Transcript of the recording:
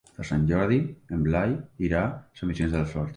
Per Sant Jordi en Blai irà a Sant Vicenç dels Horts.